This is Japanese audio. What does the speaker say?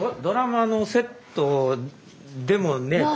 ドラマのセットでもね